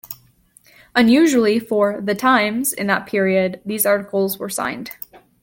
Unusually for "The Times" in that period, these articles were signed.